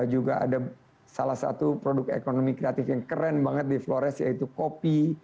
juga ada salah satu produk ekonomi kreatif yang keren banget di flores yaitu kopi